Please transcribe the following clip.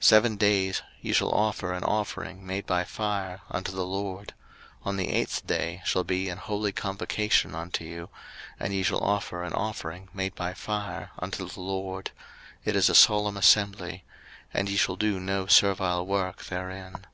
03:023:036 Seven days ye shall offer an offering made by fire unto the LORD: on the eighth day shall be an holy convocation unto you; and ye shall offer an offering made by fire unto the LORD: it is a solemn assembly; and ye shall do no servile work therein.